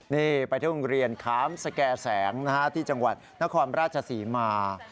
นี่ไปที่โรงเรียนค้ามสแก่แสงที่จังหวัดนครราชศรีมา